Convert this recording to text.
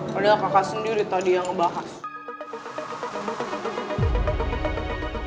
padahal kakak sendiri tadi yang ngebahas